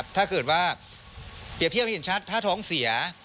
ถ้าเกิดว่าเปรียบเทียบให้เห็นชัดถ้าท้องเสีย